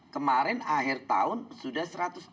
kemarin akhir tahun sudah satu ratus tujuh puluh